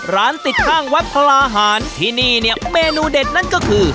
ร้านติดข้างวัดพลาหารที่นี่เนี่ยเมนูเด็ดนั่นก็คือ